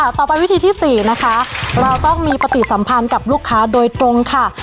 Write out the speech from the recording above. ต่อไปวิธีที่๔นะคะเราต้องมีปฏิสัมพันธ์กับลูกค้าโดยตรงค่ะ